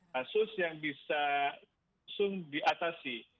kasus yang bisa diatasi